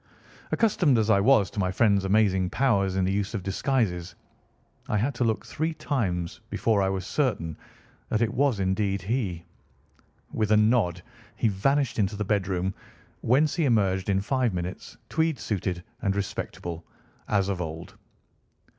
Accustomed as I was to my friend's amazing powers in the use of disguises, I had to look three times before I was certain that it was indeed he. With a nod he vanished into the bedroom, whence he emerged in five minutes tweed suited and respectable, as of old.